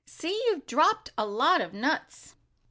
See, you have dropped a lot of nuts!"